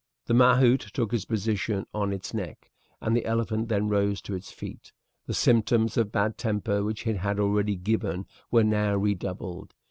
The mahout took his position on its neck, and the elephant then rose to its feet. The symptoms of bad temper which it had already given were now redoubled.